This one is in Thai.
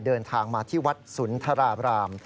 เดินทางมาที่วัดสุนทราบราม